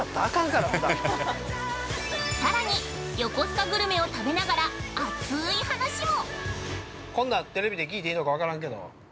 ◆さらに横須賀グルメを食べながら、熱ーい話も。